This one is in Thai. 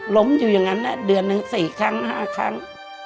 ล้มอยู่อย่างนั้นเดือนหนึ่ง๔ครั้ง๕ครั้ง